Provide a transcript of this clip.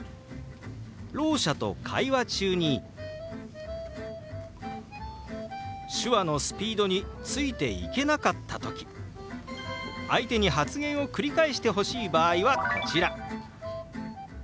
ろう者と会話中に手話のスピードについていけなかった時相手に発言を繰り返してほしい場合はこちら。